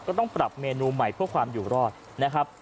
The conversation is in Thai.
ก็ต้องปรับเมนูใหม่เพื่อความอยู่รอดนะครับ